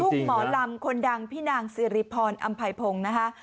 หมอลำคนดังพี่นางสิริพรอำไพพงศ์นะคะ